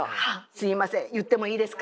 すいません言ってもいいですか？